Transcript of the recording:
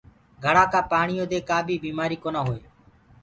گھڙآ ڪآ پآڻيو دي ڪآ بيمآري ڪونآ هوئي۔